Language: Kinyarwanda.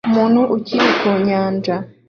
umuntu uri ku nyanja